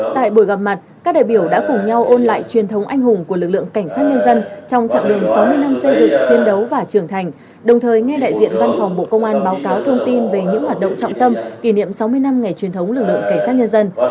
tại buổi gặp mặt các đại biểu đã cùng nhau ôn lại truyền thống anh hùng của lực lượng cảnh sát nhân dân trong trạng đường sáu mươi năm xây dựng chiến đấu và trưởng thành đồng thời nghe đại diện văn phòng bộ công an báo cáo thông tin về những hoạt động trọng tâm kỷ niệm sáu mươi năm ngày truyền thống lực lượng cảnh sát nhân dân